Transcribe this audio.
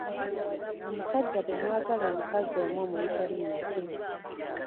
Omusajja bwe mwagala omukazi omu omuyita linnya ki?